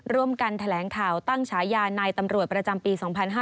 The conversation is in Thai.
ร่วมกันแถลงข่าวตั้งฉายานายตำรวจประจำปี๒๕๕๙